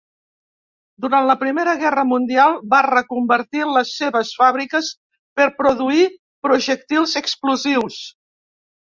Durant la Primera Guerra Mundial, va reconvertir les seves fàbriques per produir projectils explosius.